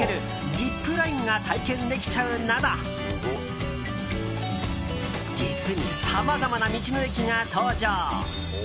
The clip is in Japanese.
ジップラインが体験できちゃうなど実にさまざまな道の駅が登場。